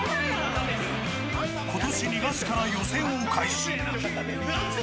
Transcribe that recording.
今年２月から予選を開始。